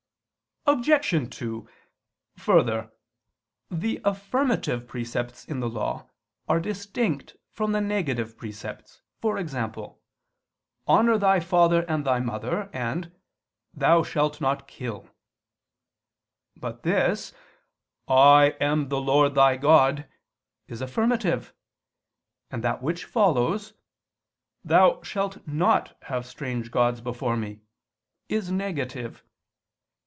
Obj. 2: Further, the affirmative precepts in the Law are distinct from the negative precepts; e.g. "Honor thy father and thy mother," and, "Thou shalt not kill." But this, "I am the Lord thy God," is affirmative: and that which follows, "Thou shalt not have strange gods before Me," is negative.